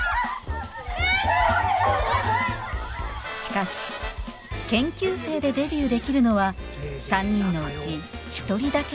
しかし研究生でデビューできるのは３人のうち１人だけです